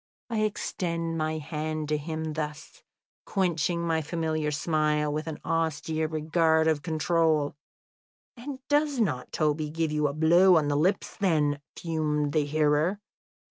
"I extend my hand to him thus, quenching my familiar smile with an austere regard of control " "And does not Toby give you a blow on the lips then?" fumed the hearer.